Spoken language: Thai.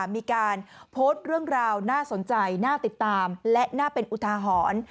มีการโพสต์เรื่องราวน่าสนใจน่าติดตามและน่าเป็นอุทาหรณ์